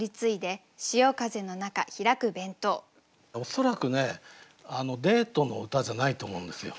恐らくねデートの歌じゃないと思うんですよ。